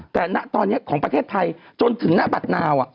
แต่ณตอนนี้ของประเทศไทยจนถึงณบัตรนาว